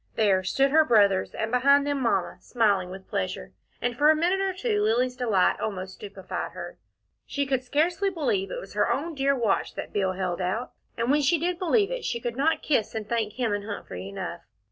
There stood her brothers, and behind them Mamma, smiling with pleasure, and for a minute or two Lilly's delight almost stupefied her. She could scarcely believe it was her own dear watch that Bill held out, and when she did believe it, she could not kiss and thank him and Humphrey enough.